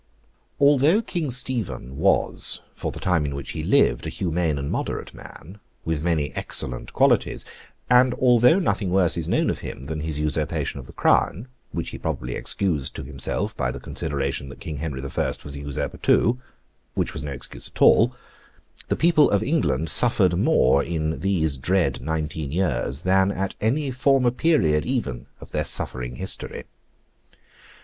Although King Stephen was, for the time in which he lived, a humane and moderate man, with many excellent qualities; and although nothing worse is known of him than his usurpation of the Crown, which he probably excused to himself by the consideration that King Henry the First was a usurper too—which was no excuse at all; the people of England suffered more in these dread nineteen years, than at any former period even of their suffering history.